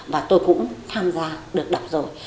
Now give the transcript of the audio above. và tôi cũng tham gia được đọc rồi